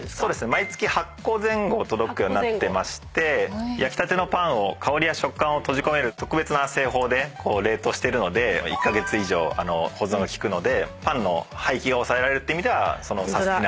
毎月８個前後届くようになってまして焼きたてのパンを香りや食感を閉じ込める特別な製法で冷凍してるので１カ月以上保存が利くのでパンの廃棄が抑えられるって意味ではサスティな！